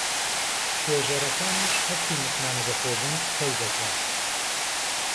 توێژهرهکانیش ههستی متمانهبهخۆبوون پتهو دهکهن.